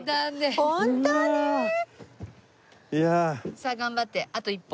さあ頑張ってあと１歩。